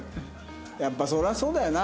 やっぱそりゃそうだよな。